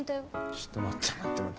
ちょっと待って待って。